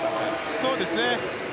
そうですね。